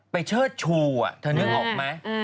ไปเชื่อดชูอะเธอนึกออกไหม